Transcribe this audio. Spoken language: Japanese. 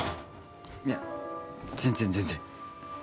いや全然全然。